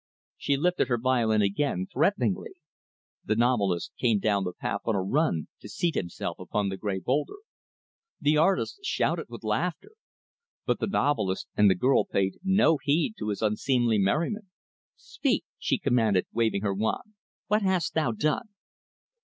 She lifted her violin again, threateningly. The novelist came down the path, on a run, to seat himself upon the gray boulder. The artist shouted with laughter. But the novelist and the girl paid no heed to his unseemly merriment. "Speak," she commanded, waving her wand, "what hast thou done?"